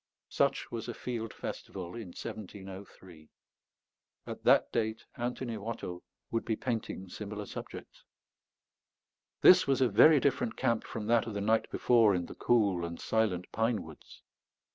Such was a field festival in 1703; at that date Antony Watteau would be painting similar subjects. This was a very different camp from that of the night before in the cool and silent pine woods.